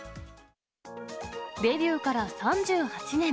デビューから３８年。